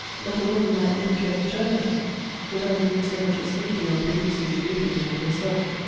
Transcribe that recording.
But a woman might live to an eternity, without even so much as thinking of producing a dupli cate of herself."